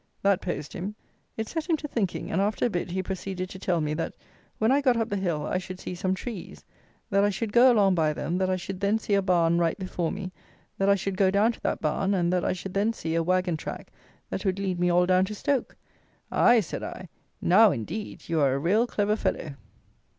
That posed him. It set him to thinking: and after a bit he proceeded to tell me, that, when I got up the hill, I should see some trees; that I should go along by them; that I should then see a barn right before me; that I should go down to that barn; and that I should then see a wagon track that would lead me all down to Stoke. "Aye!" said I, "now indeed you are a real clever fellow."